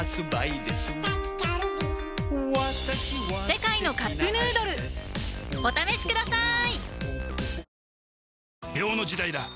「世界のカップヌードル」お試しください！